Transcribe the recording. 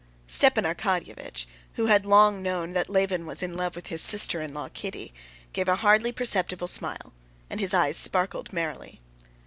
Stepan Arkadyevitch, who had long known that Levin was in love with his sister in law, Kitty, gave a hardly perceptible smile, and his eyes sparkled merrily.